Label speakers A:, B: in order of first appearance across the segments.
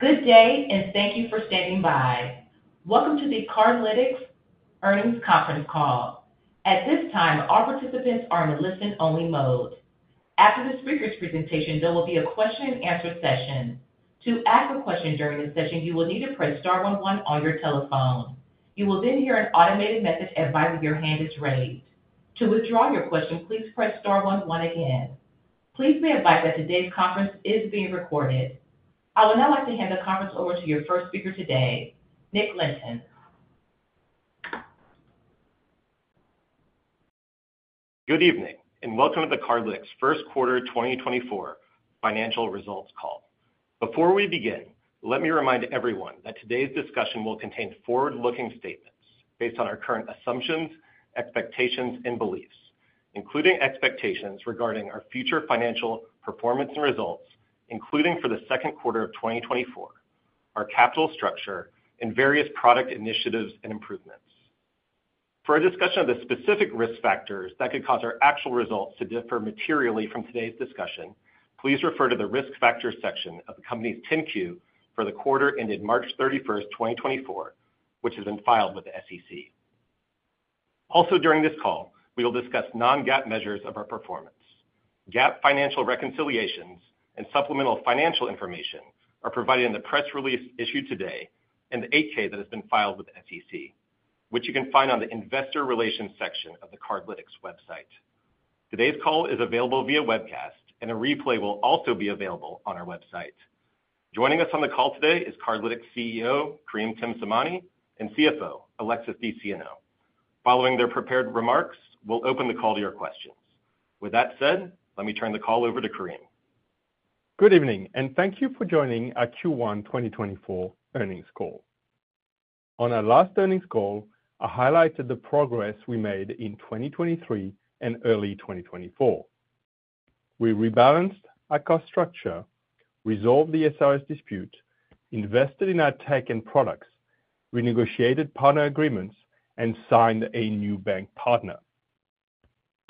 A: Good day, and thank you for standing by. Welcome to the Cardlytics Earnings Conference Call. At this time, all participants are in a listen-only mode. After the speakers' presentation, there will be a question-and-answer session. To ask a question during the session, you will need to press star one one on your telephone. You will then hear an automated message advising your hand is raised. To withdraw your question, please press star one one again. Please be advised that today's conference is being recorded. I would now like to hand the conference over to your first speaker today, Nick Lynton.
B: Good evening, and welcome to the Cardlytics First Quarter 2024 Financial Results call. Before we begin, let me remind everyone that today's discussion will contain forward-looking statements based on our current assumptions, expectations, and beliefs, including expectations regarding our future financial performance and results, including for the second quarter of 2024, our capital structure, and various product initiatives and improvements. For a discussion of the specific risk factors that could cause our actual results to differ materially from today's discussion, please refer to the Risk Factors section of the company's 10-Q for the quarter ended March 31st, 2024, which has been filed with the SEC. Also, during this call, we will discuss non-GAAP measures of our performance. GAAP financial reconciliations and supplemental financial information are provided in the press release issued today and the 8-K that has been filed with the SEC, which you can find on the Investor Relations section of the Cardlytics website. Today's call is available via webcast, and a replay will also be available on our website. Joining us on the call today is Cardlytics CEO, Karim Temsamani, and CFO, Alexis DeSieno. Following their prepared remarks, we'll open the call to your questions. With that said, let me turn the call over to Karim.
C: Good evening, and thank you for joining our Q1 2024 earnings call. On our last earnings call, I highlighted the progress we made in 2023 and early 2024. We rebalanced our cost structure, resolved the SRS dispute, invested in our tech and products, renegotiated partner agreements, and signed a new bank partner.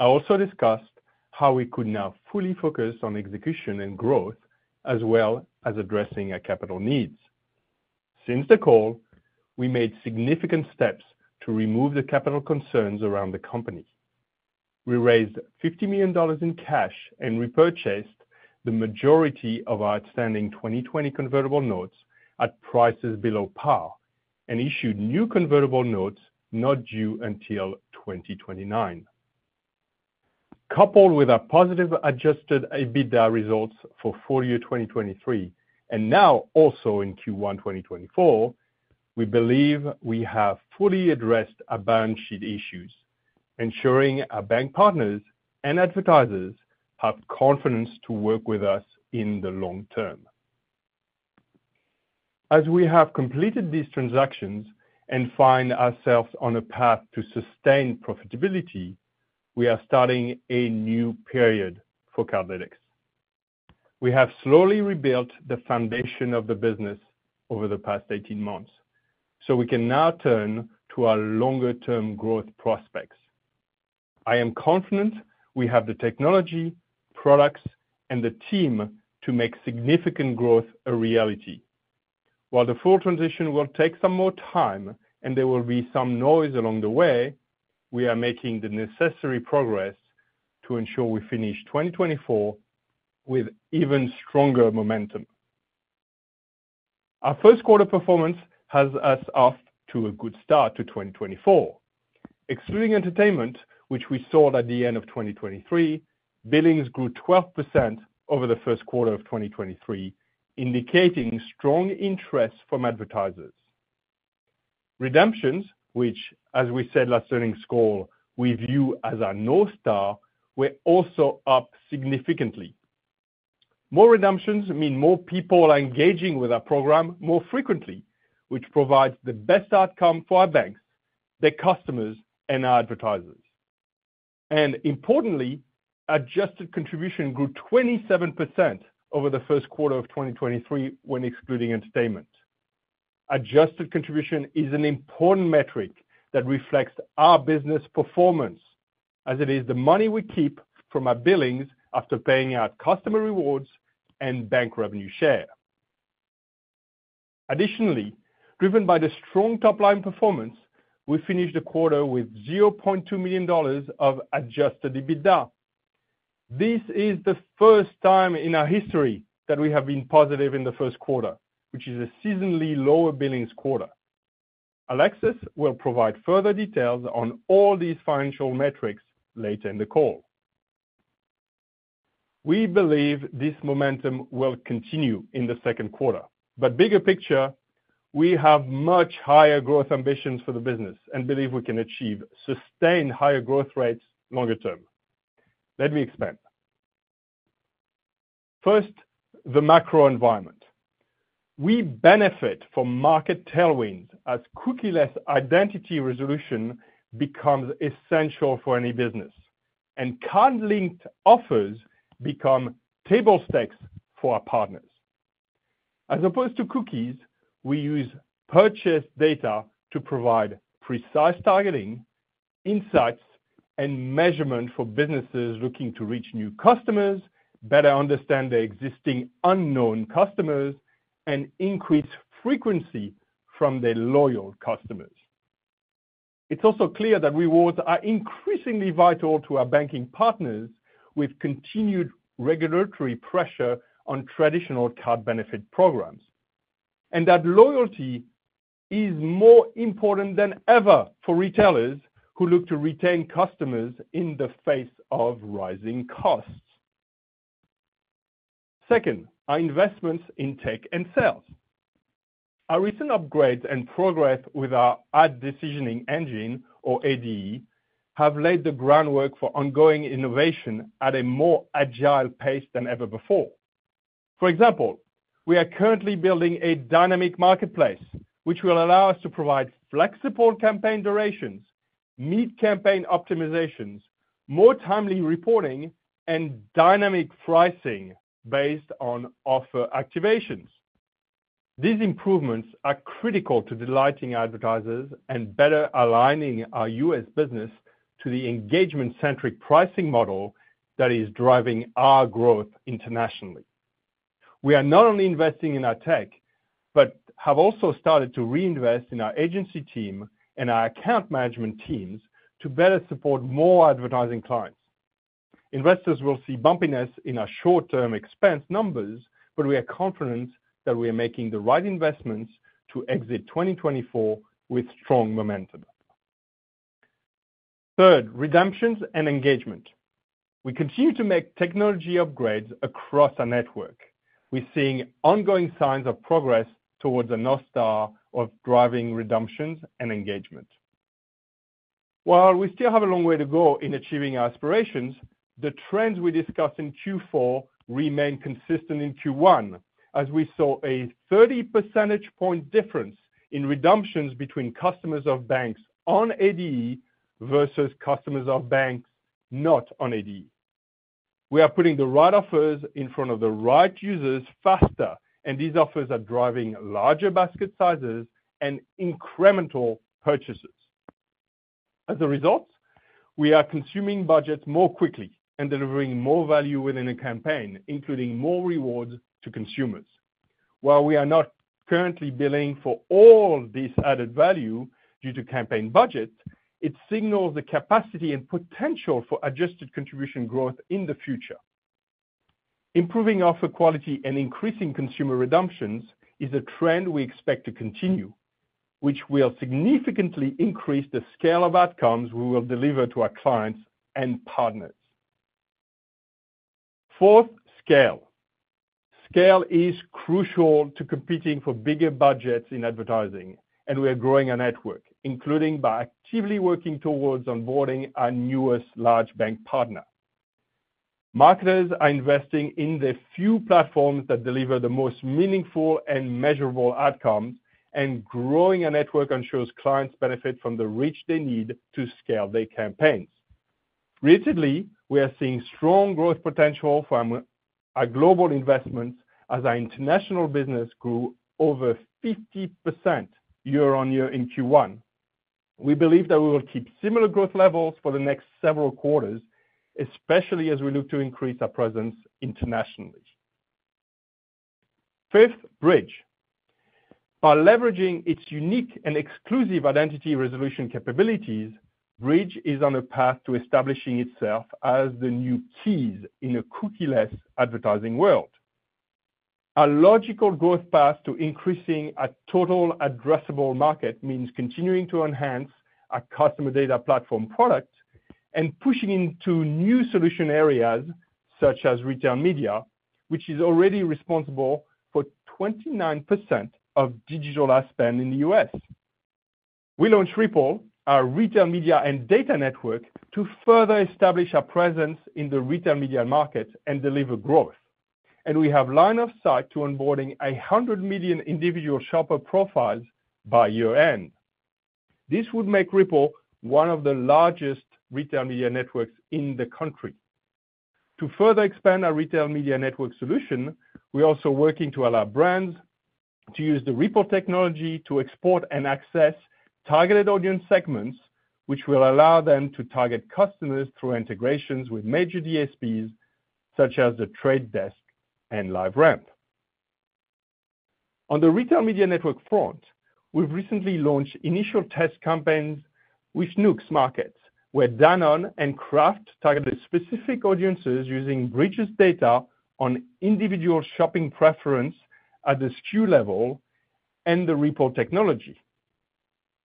C: I also discussed how we could now fully focus on execution and growth, as well as addressing our capital needs. Since the call, we made significant steps to remove the capital concerns around the company. We raised $50 million in cash and repurchased the majority of our outstanding 2020 Convertible Notes at prices below par and issued new Convertible Notes not due until 2029. Coupled with our positive adjusted EBITDA results for full year 2023, and now also in Q1 2024, we believe we have fully addressed our balance sheet issues, ensuring our bank partners and advertisers have confidence to work with us in the long term. As we have completed these transactions and find ourselves on a path to sustain profitability, we are starting a new period for Cardlytics. We have slowly rebuilt the foundation of the business over the past 18 months, so we can now turn to our longer-term growth prospects. I am confident we have the technology, products, and the team to make significant growth a reality. While the full transition will take some more time and there will be some noise along the way, we are making the necessary progress to ensure we finish 2024 with even stronger momentum. Our first quarter performance has us off to a good start to 2024. Excluding Entertainment, which we sold at the end of 2023, billings grew 12% over the first quarter of 2023, indicating strong interest from advertisers. Redemptions, which, as we said last earnings call, we view as our North Star, were also up significantly. More redemptions mean more people are engaging with our program more frequently, which provides the best outcome for our banks, their customers, and our advertisers. Importantly, adjusted contribution grew 27% over the first quarter of 2023 when excluding Entertainment. Adjusted contribution is an important metric that reflects our business performance, as it is the money we keep from our billings after paying out customer rewards and bank revenue share. Additionally, driven by the strong top-line performance, we finished the quarter with $0.2 million of adjusted EBITDA. This is the first time in our history that we have been positive in the first quarter, which is a seasonally lower billings quarter. Alexis will provide further details on all these financial metrics later in the call. We believe this momentum will continue in the second quarter, but bigger picture, we have much higher growth ambitions for the business and believe we can achieve sustained higher growth rates longer term. Let me expand. First, the macro environment. We benefit from market tailwinds as cookieless identity resolution becomes essential for any business, and card-linked offers become table stakes for our partners. As opposed to cookies, we use purchase data to provide precise targeting, insights, and measurement for businesses looking to reach new customers, better understand their existing unknown customers, and increase frequency from their loyal customers. It's also clear that rewards are increasingly vital to our banking partners, with continued regulatory pressure on traditional card benefit programs, and that loyalty is more important than ever for retailers who look to retain customers in the face of rising costs. Second, our investments in tech and sales. Our recent upgrades and progress with our Ad Decisioning Engine, or ADE, have laid the groundwork for ongoing innovation at a more agile pace than ever before. For example, we are currently building a dynamic marketplace, which will allow us to provide flexible campaign durations, mid-campaign optimizations, more timely reporting, and dynamic pricing based on offer activations. These improvements are critical to delighting advertisers and better aligning our U.S. business to the engagement-centric pricing model that is driving our growth internationally. We are not only investing in our tech, but have also started to reinvest in our agency team and our account management teams to better support more advertising clients. Investors will see bumpiness in our short-term expense numbers, but we are confident that we are making the right investments to exit 2024 with strong momentum. Third, redemptions and engagement. We continue to make technology upgrades across our network. We're seeing ongoing signs of progress towards a North Star of driving redemptions and engagement. While we still have a long way to go in achieving our aspirations, the trends we discussed in Q4 remain consistent in Q1, as we saw a 30 percentage point difference in redemptions between customers of banks on ADE versus customers of banks not on ADE. We are putting the right offers in front of the right users faster, and these offers are driving larger basket sizes and incremental purchases. As a result, we are consuming budgets more quickly and delivering more value within a campaign, including more rewards to consumers. While we are not currently billing for all this added value due to campaign budgets, it signals the capacity and potential for adjusted contribution growth in the future. Improving offer quality and increasing consumer redemptions is a trend we expect to continue, which will significantly increase the scale of outcomes we will deliver to our clients and partners. Fourth, scale. Scale is crucial to competing for bigger budgets in advertising, and we are growing our network, including by actively working towards onboarding our newest large bank partner. Marketers are investing in the few platforms that deliver the most meaningful and measurable outcomes, and growing a network ensures clients benefit from the reach they need to scale their campaigns. Recently, we are seeing strong growth potential from our global investments as our international business grew over 50% year-on-year in Q1. We believe that we will keep similar growth levels for the next several quarters, especially as we look to increase our presence internationally. Fifth, Bridg. By leveraging its unique and exclusive identity resolution capabilities, Bridg is on a path to establishing itself as the new keys in a cookieless advertising world. A logical growth path to increasing our total addressable market means continuing to enhance our customer data platform product and pushing into new solution areas, such as retail media, which is already responsible for 29% of digital ad spend in the U.S. We launched Rippl, our retail media and data network, to further establish a presence in the retail media market and deliver growth. We have line of sight to onboarding 100 million individual shopper profiles by year-end. This would make Rippl one of the largest retail media networks in the country. To further expand our retail media network solution, we are also working to allow brands to use the Rippl technology to export and access targeted audience segments, which will allow them to target customers through integrations with major DSPs, such as The Trade Desk and LiveRamp. On the retail media network front, we've recently launched initial test campaigns with Schnuck Markets, where Danone and Kraft targeted specific audiences using Bridg's data on individual shopping preference at the SKU level and the Rippl technology.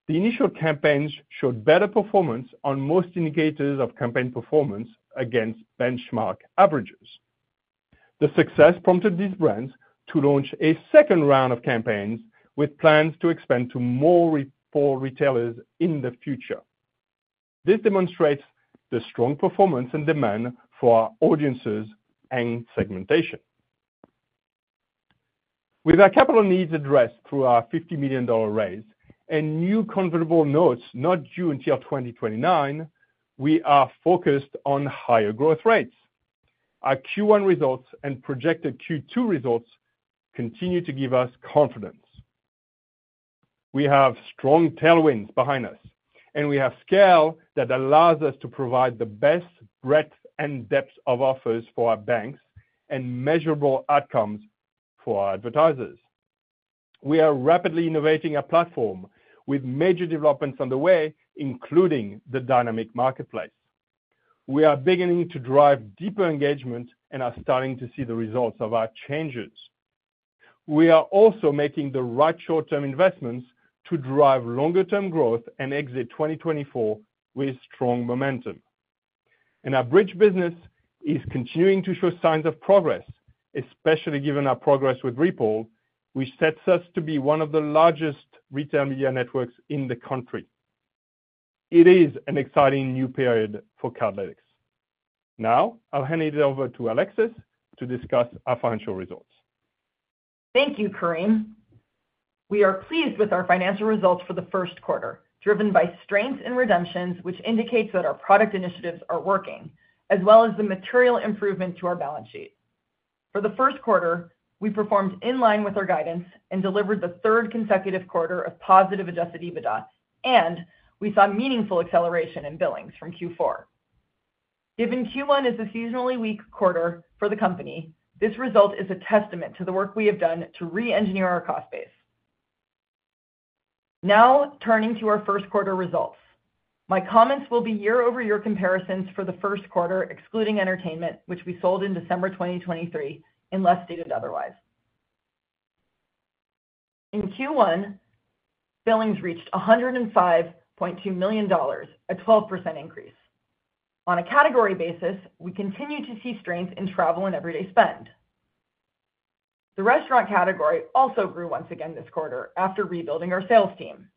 C: The initial campaigns showed better performance on most indicators of campaign performance against benchmark averages. The success prompted these brands to launch a second round of campaigns, with plans to expand to more regional retailers in the future. This demonstrates the strong performance and demand for our audiences and segmentation. With our capital needs addressed through our $50 million raise and new Convertible Notes not due until 2029, we are focused on higher growth rates. Our Q1 results and projected Q2 results continue to give us confidence. We have strong tailwinds behind us, and we have scale that allows us to provide the best breadth and depth of offers for our banks and measurable outcomes for our advertisers. We are rapidly innovating our platform with major developments on the way, including the dynamic marketplace. We are beginning to drive deeper engagement and are starting to see the results of our changes. We are also making the right short-term investments to drive longer-term growth and exit 2024 with strong momentum. Our Bridg business is continuing to show signs of progress, especially given our progress with Rippl, which sets us to be one of the largest retail media networks in the country. It is an exciting new period for Cardlytics. Now, I'll hand it over to Alexis to discuss our financial results.
D: Thank you, Karim. We are pleased with our financial results for the first quarter, driven by strength in redemptions, which indicates that our product initiatives are working, as well as the material improvement to our balance sheet. For the first quarter, we performed in line with our guidance and delivered the third consecutive quarter of positive adjusted EBITDA, and we saw meaningful acceleration in billings from Q4. Given Q1 is a seasonally weak quarter for the company, this result is a testament to the work we have done to reengineer our cost base. Now, turning to our first quarter results. My comments will be year-over-year comparisons for the first quarter, excluding Entertainment, which we sold in December 2023, unless stated otherwise. In Q1, billings reached $105.2 million, a 12% increase. On a category basis, we continue to see strength in travel and everyday spend. The restaurant category also grew once again this quarter after rebuilding our sales team.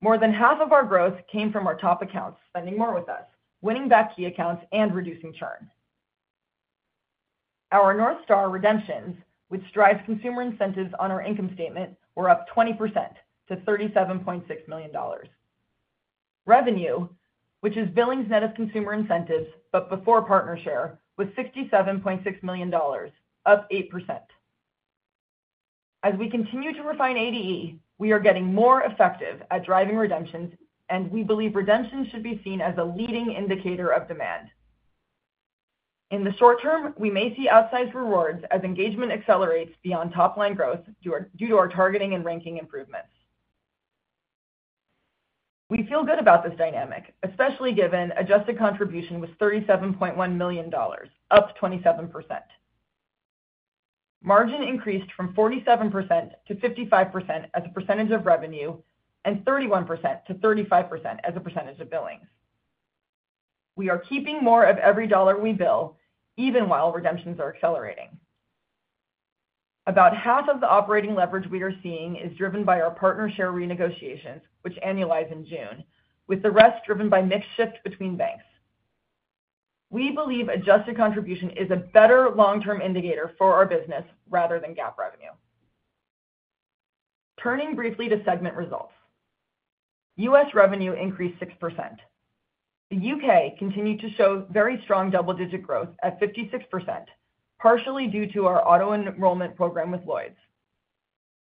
D: More than half of our growth came from our top accounts, spending more with us, winning back key accounts, and reducing churn. Our North Star redemptions, which drives consumer incentives on our income statement, were up 20% to $37.6 million. Revenue, which is billings net of consumer incentives, but before partner share, was $67.6 million, up 8%. As we continue to refine ADE, we are getting more effective at driving redemptions, and we believe redemptions should be seen as a leading indicator of demand. In the short term, we may see outsized rewards as engagement accelerates beyond top-line growth due to our targeting and ranking improvements. We feel good about this dynamic, especially given adjusted contribution was $37.1 million, up 27%. Margin increased from 47%-55% as a percentage of revenue, and 31%-35% as a percentage of billings. We are keeping more of every dollar we bill, even while redemptions are accelerating. About half of the operating leverage we are seeing is driven by our partner share renegotiations, which annualize in June, with the rest driven by mix shift between banks. We believe adjusted contribution is a better long-term indicator for our business rather than GAAP revenue. Turning briefly to segment results. U.S. revenue increased 6%. The U.K. continued to show very strong double-digit growth at 56%, partially due to our auto-enrollment program with Lloyds.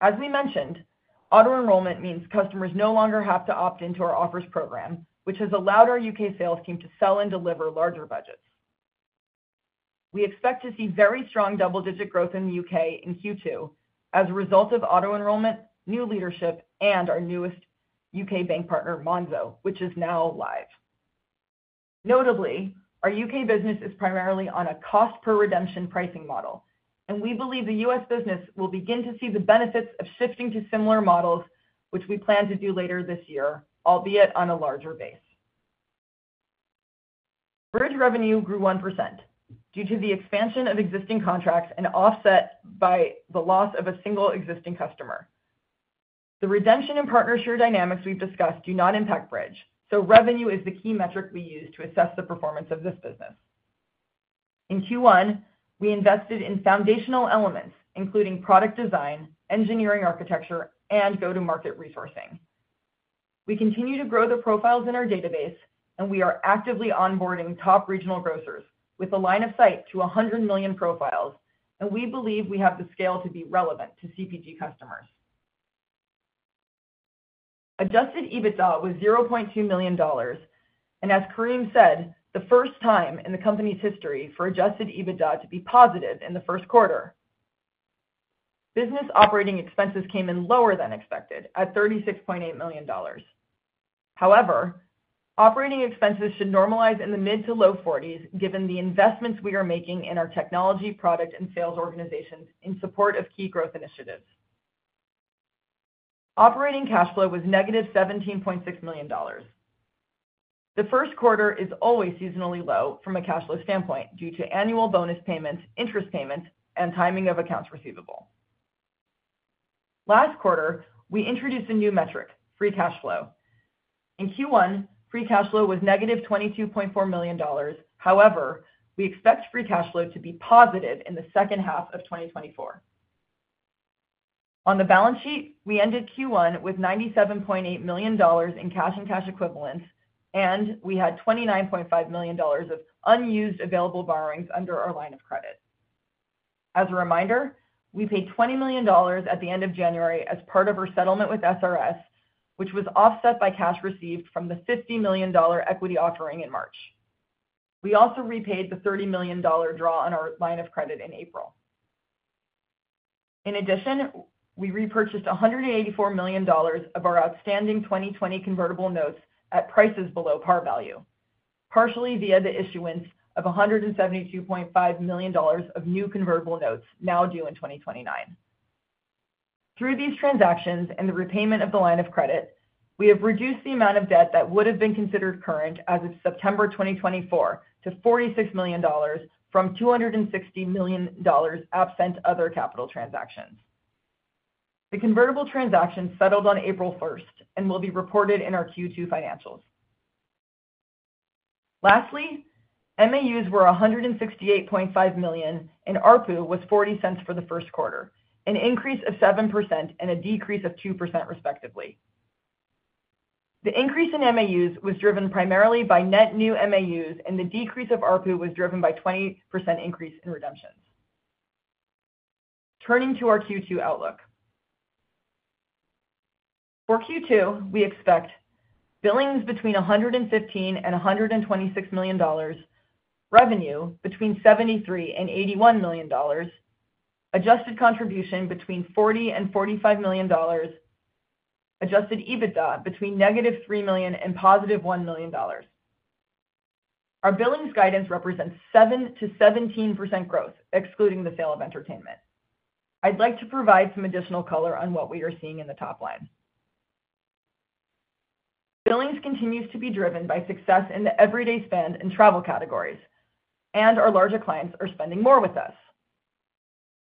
D: As we mentioned, auto-enrollment means customers no longer have to opt into our offers program, which has allowed our U.K. sales team to sell and deliver larger budgets. We expect to see very strong double-digit growth in the U.K. in Q2 as a result of auto-enrollment, new leadership, and our newest U.K. bank partner, Monzo, which is now live. Notably, our U.K. business is primarily on a cost per redemption pricing model, and we believe the U.S. business will begin to see the benefits of shifting to similar models, which we plan to do later this year, albeit on a larger base. Bridg revenue grew 1% due to the expansion of existing contracts and offset by the loss of a single existing customer. The redemption and partner share dynamics we've discussed do not impact Bridg, so revenue is the key metric we use to assess the performance of this business. In Q1, we invested in foundational elements, including product design, engineering architecture, and go-to-market resourcing. We continue to grow the profiles in our database, and we are actively onboarding top regional grocers with a line of sight to 100 million profiles, and we believe we have the scale to be relevant to CPG customers. adjusted EBITDA was $0.2 million, and as Karim said, the first time in the company's history for adjusted EBITDA to be positive in the first quarter. Business operating expenses came in lower than expected at $36.8 million. However, operating expenses should normalize in the mid- to low-40s, given the investments we are making in our technology, product, and sales organizations in support of key growth initiatives. Operating cash flow was -$17.6 million. The first quarter is always seasonally low from a cash flow standpoint due to annual bonus payments, interest payments, and timing of accounts receivable. Last quarter, we introduced a new metric, free cash flow. In Q1, free cash flow was -$22.4 million. However, we expect free cash flow to be positive in the second half of 2024. On the balance sheet, we ended Q1 with $97.8 million in cash and cash equivalents, and we had $29.5 million of unused available borrowings under our line of credit. As a reminder, we paid $20 million at the end of January as part of our settlement with SRS, which was offset by cash received from the $50 million equity offering in March. We also repaid the $30 million draw on our line of credit in April. In addition, we repurchased $184 million of our outstanding 2020 Convertible Notes at prices below par value, partially via the issuance of $172.5 million of new Convertible Notes, now due in 2029. Through these transactions and the repayment of the line of credit, we have reduced the amount of debt that would have been considered current as of September 2024 to $46 million from $260 million, absent other capital transactions. The convertible transaction settled on April first and will be reported in our Q2 financials. Lastly, MAUs were 168.5 million, and ARPU was $0.40 for the first quarter, an increase of 7% and a decrease of 2%, respectively. The increase in MAUs was driven primarily by net new MAUs, and the decrease of ARPU was driven by 20% increase in redemptions. Turning to our Q2 outlook. For Q2, we expect billings between $115 million and $126 million, revenue between $73 million and $81 million, adjusted contribution between $40 million and $45 million, adjusted EBITDA between -$3 million and $1 million. Our billings guidance represents 7%-17% growth, excluding the sale of Entertainment. I'd like to provide some additional color on what we are seeing in the top line. Billings continues to be driven by success in the everyday spend and travel categories, and our larger clients are spending more with us.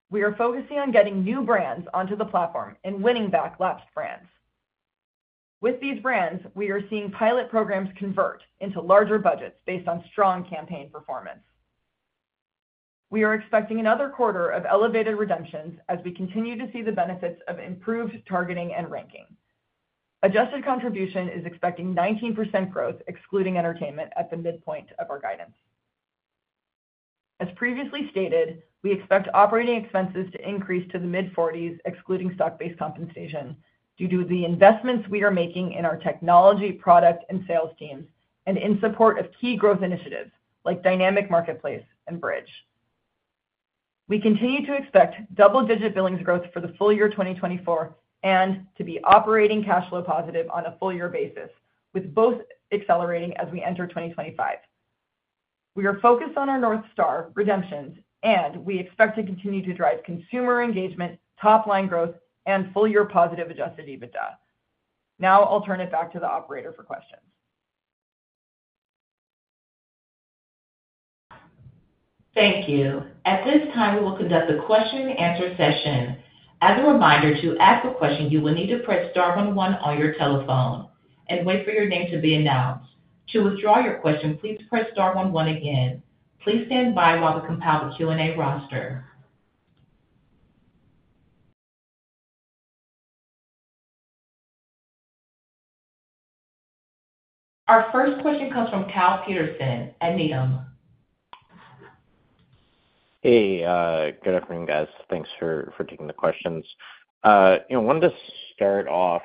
D: We are focusing on getting new brands onto the platform and winning back lapsed brands. With these brands, we are seeing pilot programs convert into larger budgets based on strong campaign performance. We are expecting another quarter of elevated redemptions as we continue to see the benefits of improved targeting and ranking. Adjusted contribution is expecting 19% growth, excluding Entertainment at the midpoint of our guidance. As previously stated, we expect operating expenses to increase to the mid-40s, excluding stock-based compensation, due to the investments we are making in our technology, product and sales teams, and in support of key growth initiatives like dynamic marketplace and Bridg. We continue to expect double-digit billings growth for the full year 2024 and to be operating cash flow positive on a full-year basis, with both accelerating as we enter 2025. We are focused on our North Star redemptions, and we expect to continue to drive consumer engagement, top-line growth, and full-year positive adjusted EBITDA. Now I'll turn it back to the operator for questions.
A: Thank you. At this time, we will conduct a question-and-answer session. As a reminder, to ask a question, you will need to press star one one on your telephone and wait for your name to be announced. To withdraw your question, please press star one one again. Please stand by while we compile the Q&A roster. Our first question comes from Kyle Peterson at Needham.
E: Hey, good afternoon, guys. Thanks for taking the questions. You know, wanted to start off,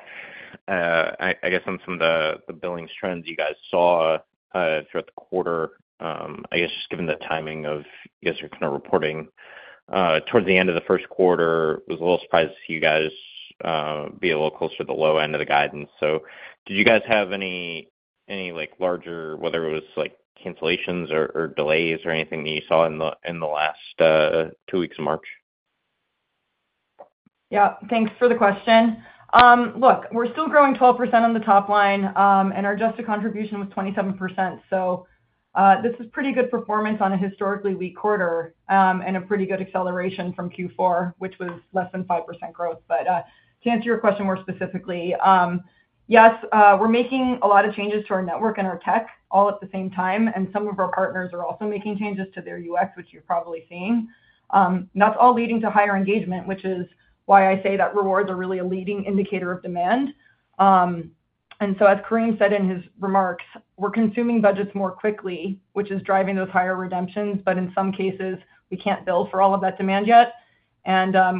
E: I guess, on some of the billings trends you guys saw throughout the quarter. I guess just given the timing of your kind of reporting towards the end of the first quarter, was a little surprised to see you guys be a little closer to the low end of the guidance. So did you guys have any, like, larger, whether it was, like, cancellations or delays or anything that you saw in the last two weeks of March?
D: Yeah, thanks for the question. Look, we're still growing 12% on the top line, and our adjusted contribution was 27%. So, this is pretty good performance on a historically weak quarter, and a pretty good acceleration from Q4, which was less than 5% growth. But, to answer your question more specifically, yes, we're making a lot of changes to our network and our tech all at the same time, and some of our partners are also making changes to their UX, which you're probably seeing. That's all leading to higher engagement, which is why I say that rewards are really a leading indicator of demand. And so, as Karim said in his remarks, we're consuming budgets more quickly, which is driving those higher redemptions, but in some cases, we can't bill for all of that demand yet.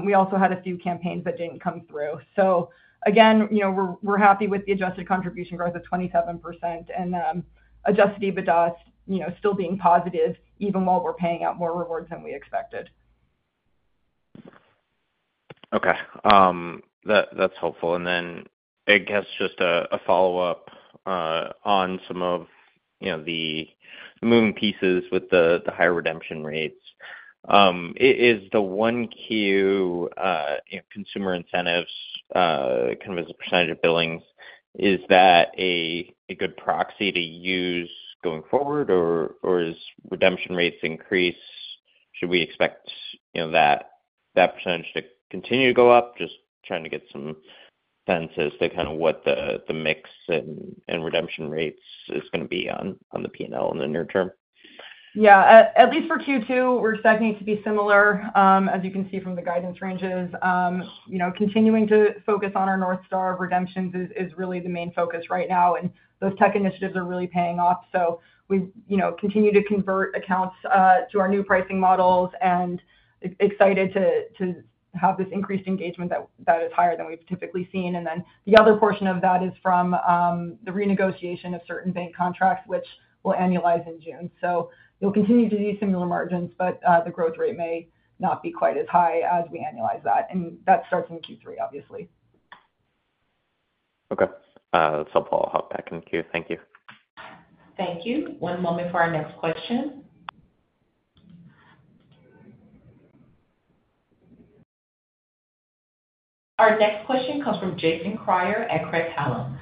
D: We also had a few campaigns that didn't come through. So again, you know, we're happy with the adjusted contribution growth of 27% and adjusted EBITDA, you know, still being positive, even while we're paying out more rewards than we expected.
E: Okay, that, that's helpful. And then I guess just a follow-up on some of, you know, the moving pieces with the higher redemption rates. Is the Q1, you know, consumer incentives kind of as a percentage of billings, is that a good proxy to use going forward? Or as redemption rates increase, should we expect, you know, that percentage to continue to go up? Just trying to get some-sense as to kind of what the mix and redemption rates is gonna be on the P&L in the near term?
D: Yeah. At least for Q2, we're expecting it to be similar, as you can see from the guidance ranges. You know, continuing to focus on our North Star redemptions is really the main focus right now, and those tech initiatives are really paying off. So we, you know, continue to convert accounts to our new pricing models, and excited to have this increased engagement that is higher than we've typically seen. And then the other portion of that is from the renegotiation of certain bank contracts, which will annualize in June. So you'll continue to see similar margins, but the growth rate may not be quite as high as we annualize that, and that starts in Q3, obviously.
E: Okay. That's all, I'll hop back in queue. Thank you.
A: Thank you. One moment for our next question. Our next question comes from Jason Kreyer at Craig-Hallum.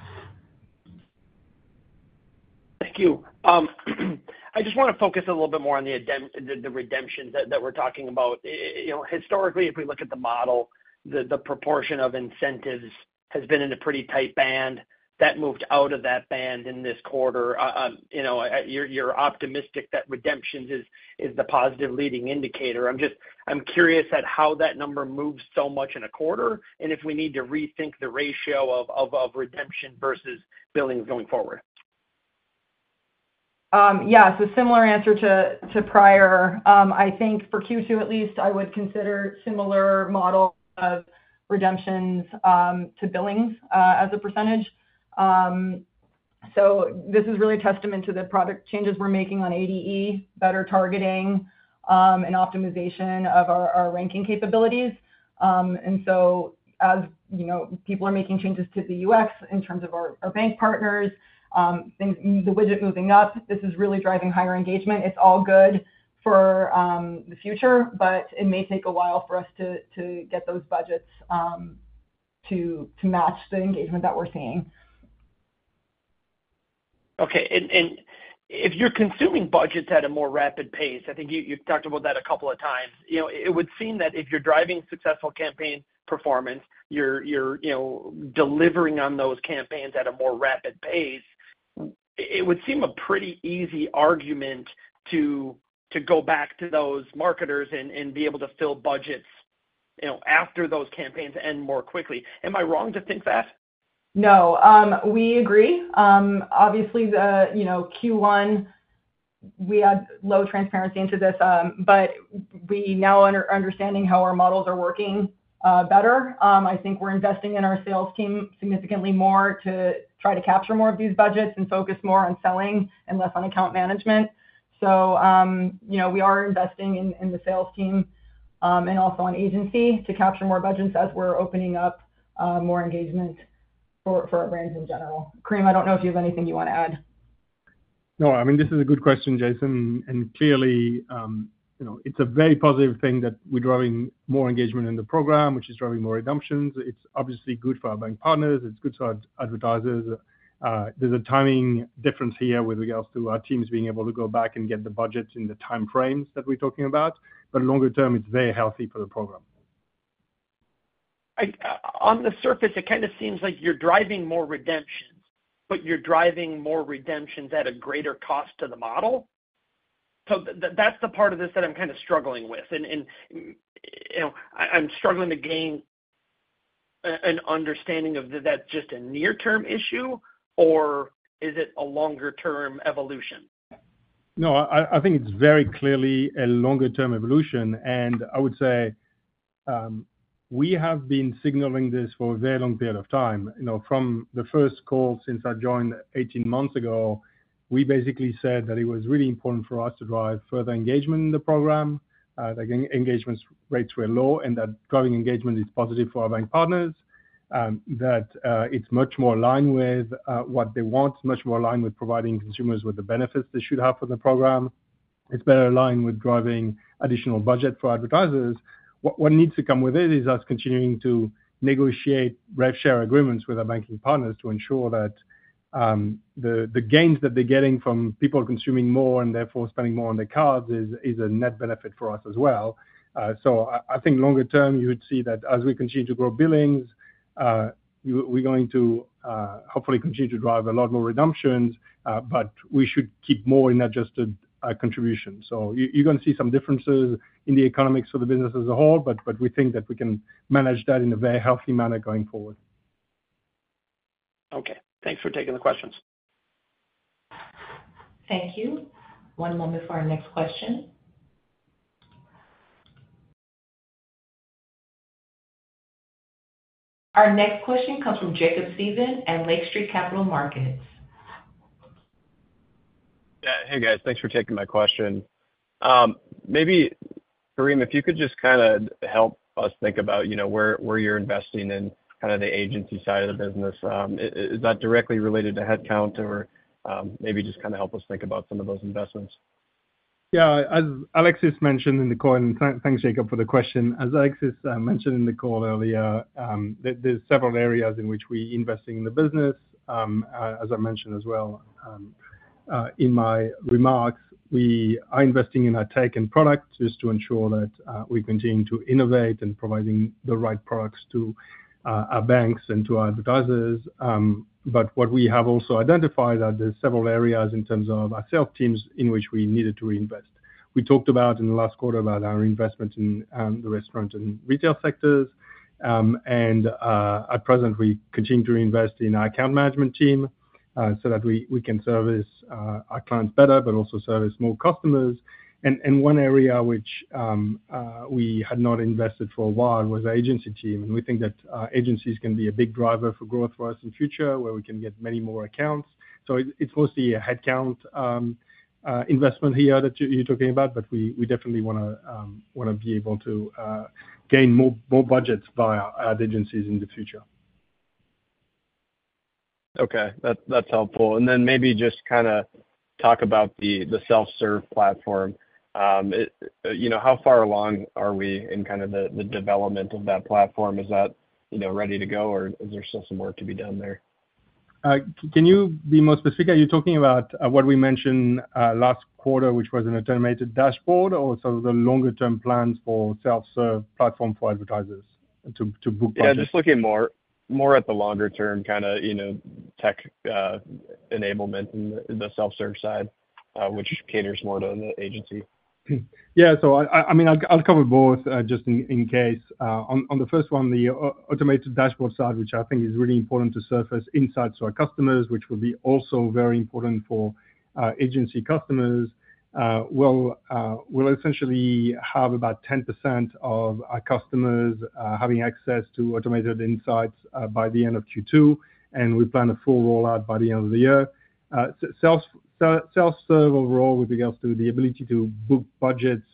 F: Thank you. I just wanna focus a little bit more on the redemptions that we're talking about. You know, historically, if we look at the model, the proportion of incentives has been in a pretty tight band. That moved out of that band in this quarter. You know, you're optimistic that redemptions is the positive leading indicator. I'm curious at how that number moves so much in a quarter, and if we need to rethink the ratio of redemption versus billings going forward.
D: Yeah, so similar answer to prior. I think for Q2 at least, I would consider similar model of redemptions to billings as a percentage. So this is really a testament to the product changes we're making on ADE, better targeting, and optimization of our ranking capabilities. And so as you know, people are making changes to the UX in terms of our bank partners, and the widget moving up, this is really driving higher engagement. It's all good for the future, but it may take a while for us to get those budgets to match the engagement that we're seeing.
F: Okay. And if you're consuming budgets at a more rapid pace, I think you've talked about that a couple of times, you know, it would seem that if you're driving successful campaign performance, you're delivering on those campaigns at a more rapid pace, it would seem a pretty easy argument to go back to those marketers and be able to fill budgets, you know, after those campaigns end more quickly. Am I wrong to think that?
D: No, we agree. Obviously, you know, Q1, we had low transparency into this, but we now understand how our models are working better. I think we're investing in our sales team significantly more to try to capture more of these budgets and focus more on selling and less on account management. So, you know, we are investing in the sales team and also on agency to capture more budgets as we're opening up more engagement for our brands in general. Karim, I don't know if you have anything you want to add.
C: No, I mean, this is a good question, Jason, and clearly, you know, it's a very positive thing that we're driving more engagement in the program, which is driving more redemptions. It's obviously good for our bank partners. It's good for our advertisers. There's a timing difference here with regards to our teams being able to go back and get the budgets in the time frames that we're talking about. But longer term, it's very healthy for the program.
F: On the surface, it kind of seems like you're driving more redemptions, but you're driving more redemptions at a greater cost to the model. So that's the part of this that I'm kind of struggling with. And, you know, I, I'm struggling to gain an understanding of, is that just a near-term issue, or is it a longer-term evolution?
C: No, I think it's very clearly a longer-term evolution. I would say we have been signaling this for a very long period of time. You know, from the first call since I joined 18 months ago, we basically said that it was really important for us to drive further engagement in the program. The engagement rates were low, and that growing engagement is positive for our bank partners. That it's much more aligned with what they want, much more aligned with providing consumers with the benefits they should have for the program. It's better aligned with driving additional budget for advertisers. What needs to come with it is us continuing to negotiate rev share agreements with our banking partners to ensure that the gains that they're getting from people consuming more and therefore spending more on their cards is a net benefit for us as well. So I think longer term, you would see that as we continue to grow billings, we're going to hopefully continue to drive a lot more redemptions, but we should keep more in adjusted contribution. So you're gonna see some differences in the economics of the business as a whole, but we think that we can manage that in a very healthy manner going forward.
F: Okay. Thanks for taking the questions.
A: Thank you. One moment for our next question. Our next question comes from Jacob Stephan at Lake Street Capital Markets.
G: Yeah. Hey, guys. Thanks for taking my question. Maybe, Karim, if you could just kinda help us think about, you know, where, where you're investing in kind of the agency side of the business. Is that directly related to headcount or, maybe just kind of help us think about some of those investments?
C: Yeah. As Alexis mentioned in the call, and thanks, Jacob, for the question. As Alexis mentioned in the call earlier, there's several areas in which we're investing in the business. As I mentioned as well in my remarks, we are investing in our tech and products just to ensure that we continue to innovate and providing the right products to our banks and to our advertisers. But what we have also identified that there are several areas in terms of our sales teams, in which we needed to reinvest. We talked about in the last quarter about our investment in the restaurant and retail sectors. And at present, we continue to reinvest in our account management team so that we can service our clients better, but also service more customers. One area which we had not invested for a while was our agency team. We think that agencies can be a big driver for growth for us in future, where we can get many more accounts. So it's mostly a headcount investment here that you're talking about, but we definitely wanna be able to gain more budgets via ad agencies in the future.
G: Okay. That, that's helpful. And then maybe just kinda talk about the self-serve platform. You know, how far along are we in kind of the development of that platform? Is that, you know, ready to go, or is there still some work to be done there?
C: Can you be more specific? Are you talking about what we mentioned last quarter, which was an automated dashboard or some of the longer-term plans for self-serve platform for advertisers to book budgets?
G: Yeah, just looking more, more at the longer term, kinda, you know, tech enablement in the, the self-serve side, which caters more to the agency.
C: Yeah. So I mean, I'll cover both, just in case. On the first one, the automated dashboard side, which I think is really important to surface insights to our customers, which will be also very important for agency customers, will essentially have about 10% of our customers having access to automated insights by the end of Q2, and we plan a full rollout by the end of the year. Self-serve overall, with regards to the ability to book budgets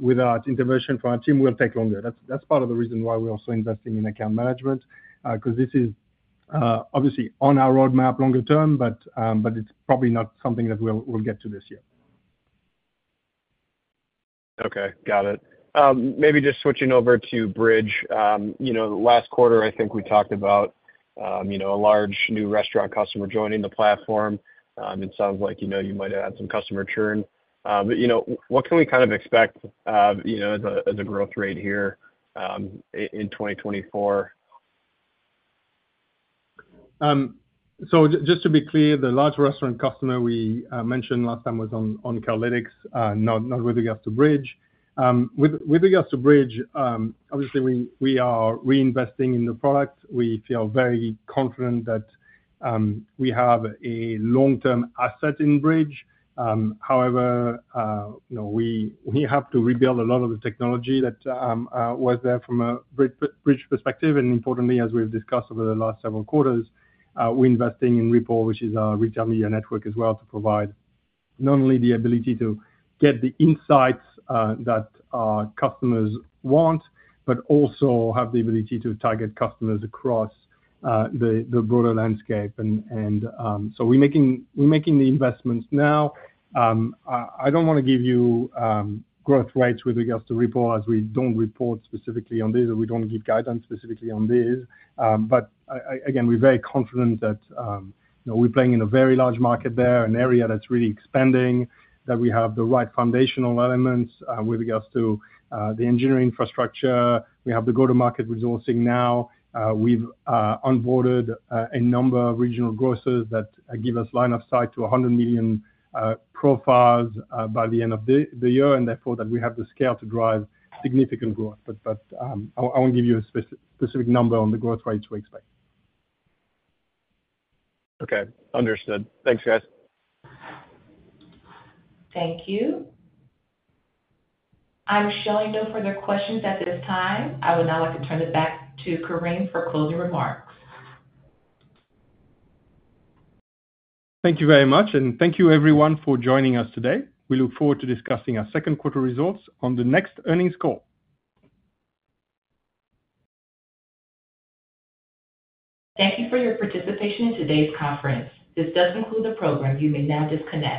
C: without intervention from our team, will take longer. That's part of the reason why we're also investing in account management, 'cause this is obviously on our roadmap longer term, but it's probably not something that we'll get to this year.
G: Okay, got it. Maybe just switching over to Bridg. You know, last quarter, I think we talked about, you know, a large new restaurant customer joining the platform. It sounds like, you know, you might have had some customer churn, but, you know, what can we kind of expect, you know, as a, as a growth rate here, in 2024?
C: So just to be clear, the large restaurant customer we mentioned last time was on Cardlytics, not with regards to Bridg. With regards to Bridg, obviously, we are reinvesting in the product. We feel very confident that we have a long-term asset in Bridg. However, you know, we have to rebuild a lot of the technology that was there from a Bridg perspective. And importantly, as we've discussed over the last several quarters, we're investing in Rippl, which is our retail media network, as well, to provide not only the ability to get the insights that our customers want, but also have the ability to target customers across the broader landscape. And so we're making the investments now. I don't wanna give you growth rates with regards to Rippl, as we don't report specifically on this, and we don't give guidance specifically on this. But again, we're very confident that, you know, we're playing in a very large market there, an area that's really expanding, that we have the right foundational elements with regards to the engineering infrastructure. We have the go-to-market resourcing now. We've onboarded a number of regional grocers that give us line of sight to 100 million profiles by the end of the year, and therefore, that we have the scale to drive significant growth. But I won't give you a specific number on the growth rate to expect.
G: Okay. Understood. Thanks, guys.
A: Thank you. I'm showing no further questions at this time. I would now like to turn it back to Karim for closing remarks.
C: Thank you very much, and thank you, everyone, for joining us today. We look forward to discussing our second quarter results on the next earnings call.
A: Thank you for your participation in today's conference. This does conclude the program. You may now disconnect.